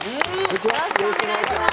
よろしくお願いします。